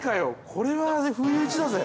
これは不意打ちだぜ。